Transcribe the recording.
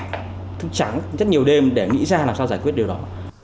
cũng chán rất nhiều đêm để nghĩ ra làm sao giải quyết điều đó